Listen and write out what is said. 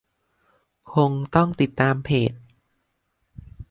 คงต้องติดตามเพจ